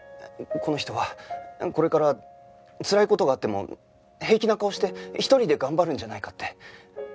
この人はこれからつらい事があっても平気な顔して独りで頑張るんじゃないかって。